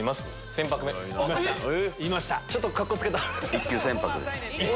一級船舶です。